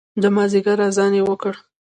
د مازدیګر اذان یې وکړو